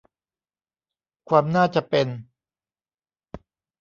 ความน่าจะเป็น